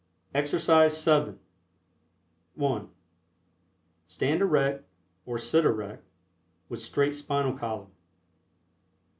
EXERCISE VII. (1) Stand erect, or sit erect, with straight spinal column.